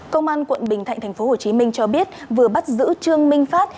công an quận bình thạnh tp hcm cho biết vừa bắt giữ trương minh phát